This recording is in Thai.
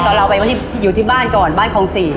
ตอนเราไปอยู่ที่บ้านก่อนบ้านคองศรี